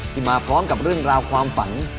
มาพร้อมกับเรื่องราวความฝัน